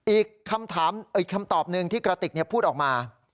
อีกคำตอบหนึ่งที่กระติกพูดออกมา